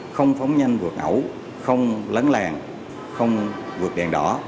không phóng nhanh vượt ẩu không lấn làng không vượt đèn đỏ